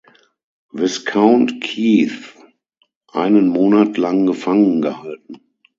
Viscount Keith einen Monat lang gefangen gehalten.